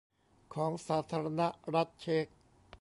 ของสาธารณรัฐเชก